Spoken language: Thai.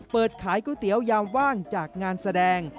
เปิดขายก๋วยเตี๋ยวยามว่างจากงานแสดง